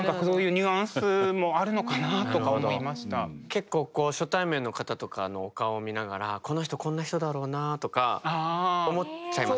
結構初対面の方とかのお顔を見ながらこの人こんな人だろうなとか思っちゃいます？